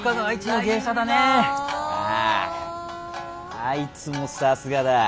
あいつもさすがだ。